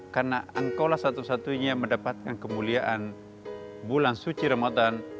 karena engkau lah satu satunya yang mendapatkan kemuliaan bulan suci ramadan